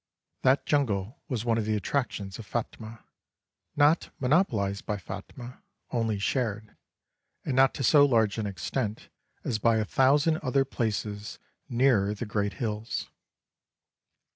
That jungle was one of the attractions of Phatmah; not monopolised by Phatmah, only shared, and not to so large an extent as by a thousand other places nearer the great hills.